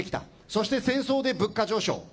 そして戦争で物価上昇。